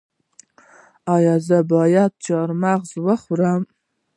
ایا زه باید چهارمغز وخورم؟